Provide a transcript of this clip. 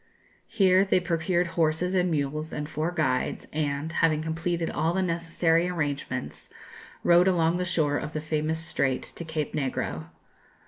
Here they procured horses and mules and four guides, and, having completed all the necessary arrangements, rode along the shore of the famous Strait to Cape Negro.